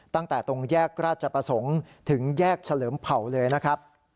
ตั้งแต่ตรงแยกราชประสงค์ถึงแยกเฉลิมเผ่าเลยนะครับ